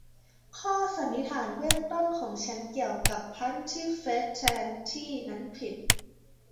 ข้อสันนิษฐานเบื้องต้นของฉันเกี่ยวกับพัลส์ที่เฟสแทนที่นั้นผิด